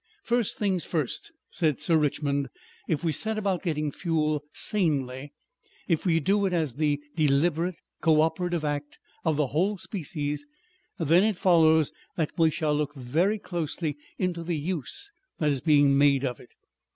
"First things first," said Sir Richmond. If we set about getting fuel sanely, if we do it as the deliberate, co operative act of the whole species, then it follows that we shall look very closely into the use that is being made of it.